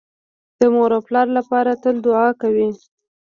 د مور او پلار لپاره تل دوعا کوئ